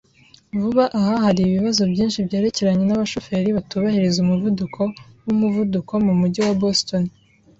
Vuba aha hari ibibazo byinshi byerekeranye nabashoferi batubahiriza umuvuduko w umuvuduko mumujyi wa Boston